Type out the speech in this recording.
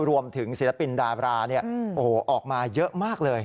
รวมถึงศิลปินดาราเนี่ยโอ้โหออกมาเยอะมากเลย